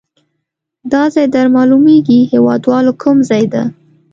دا ځای در معلومیږي هیواد والو کوم ځای ده؟